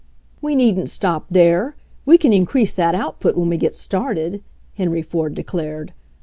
"We needn't stop there — we can increase that output when we get started," Henry Ford de clared.